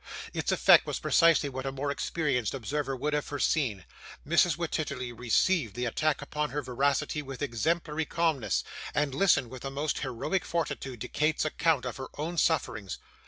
Its effect was precisely what a more experienced observer would have foreseen. Mrs. Wititterly received the attack upon her veracity with exemplary calmness, and listened with the most heroic fortitude to Kate's account of her own sufferings.